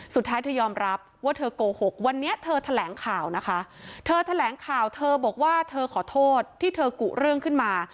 สุดท้ายเธอยอมรับว่าเธอโกหกวันนี้เธอแถลงข่าวนะคะเธอแถลงข่าวเธอบอกว่าเธอขอโทษที่เธอกุเรื่องขึ้นมา